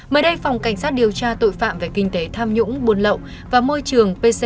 mới đây phòng cảnh sát điều tra tội phạm về kinh tế tham nhũng buôn lậu và môi trường pc